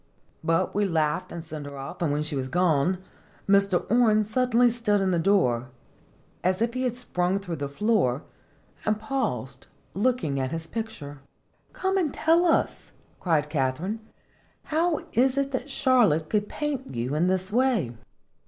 But we laughed and sent her off ; and when she had gone Mr. Orne suddenly stood in the door, as if he had sprung through the floor, and paused, looking at his picture. " Come and tell us," cried Katharine, " how is it that Charlotte could paint you in this way?"